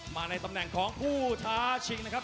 มาในตำแหน่งของผู้ท้าชิงนะครับ